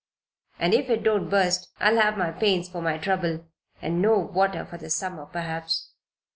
"And if it don't burst I'll have my pains for my trouble and no water for the summer, perhaps.